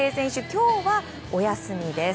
今日はお休みです。